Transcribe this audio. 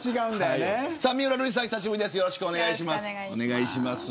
よろしくお願いします。